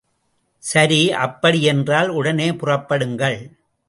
சரி, அப்படி என்றால் உடனே புறப்படுங்கள்.